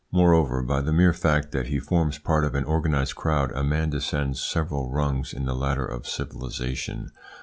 Moreover, by the mere fact that he forms part of an organised crowd, a man descends several rungs in the ladder of civilisation.